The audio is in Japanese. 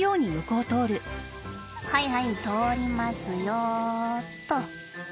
「はいはい通りますよ」っと。